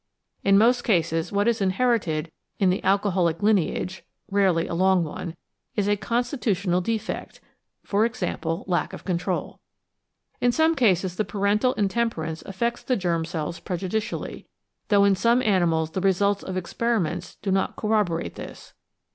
In most cases what is inherited in the alcoholic lineage (rarely a long one) is a constitutional defect, e.g. lack of control. In some cases the parental intemperance affects the germ cells prejudicially; though in some animals the results of experiments do not corroborate this.